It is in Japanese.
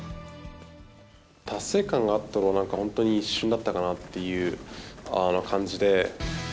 達成感があったのは、なんか本当に一瞬だったのかなっていう感じで。